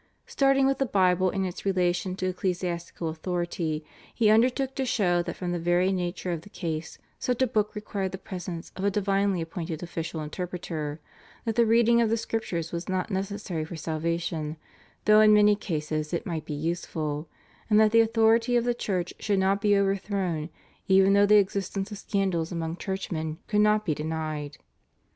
Starting with the Bible and its relation to ecclesiastical authority, he undertook to show that from the very nature of the case such a book required the presence of a divinely appointed official interpreter, that the reading of the Scriptures was not necessary for salvation though in many cases it might be useful, and that the authority of the Church should not be overthrown even though the existence of scandals among churchmen could not be denied.